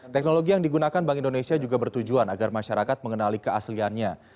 teknologi yang digunakan bank indonesia juga bertujuan agar masyarakat mengenali keasliannya